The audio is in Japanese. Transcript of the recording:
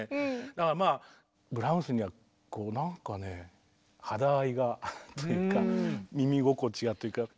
だからまあブラームスにはこうなんかね肌合いがというか耳心地がというか。